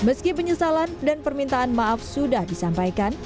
meski penyesalan dan permintaan maaf sudah disampaikan